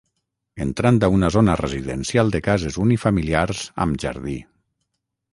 entrant a una zona residencial de cases unifamiliars amb jardí